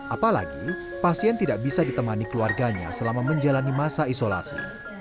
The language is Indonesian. apalagi pasien tidak bisa ditemani keluarganya selama menjalani masa isolasi